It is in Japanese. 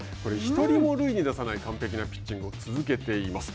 １人も塁に出さない完璧なピッチングを続けています。